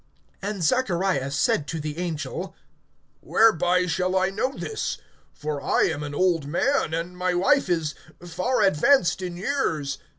(18)And Zachariah said to the angel: Whereby shall I know this? For I am an old man, and my wife is far advanced in years.